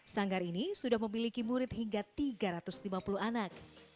sanggar ini sudah memiliki murid hingga tiga ratus lima puluh anak